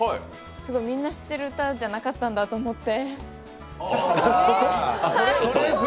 みんな知ってる歌じゃなかったんだと思って。